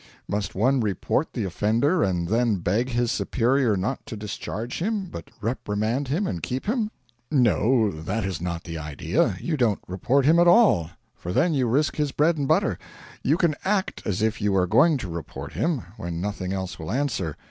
'Must one report the offender and then beg his superior not to discharge him, but reprimand him and keep him?' 'No, that is not the idea; you don't report him at all, for then you risk his bread and butter. You can act as if you are going to report him when nothing else will answer.